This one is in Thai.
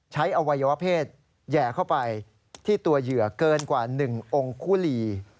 อวัยวะเพศแหย่เข้าไปที่ตัวเหยื่อเกินกว่า๑องค์คุลี